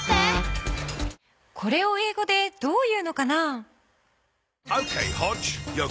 これをえいごでどう言うのかな？